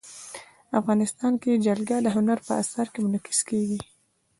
افغانستان کې جلګه د هنر په اثار کې منعکس کېږي.